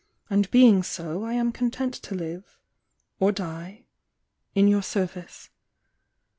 And being so, I am content to hve— or die — in your service."